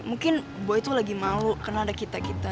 mungkin boy tuh lagi malu karena ada kita kita